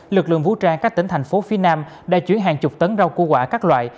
lực lượng vũ trang các tỉnh thành phố phía nam đã chuyển hàng chục tấn rau củ quả các loại